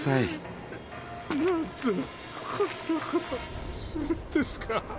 なんでこんなことするんですか。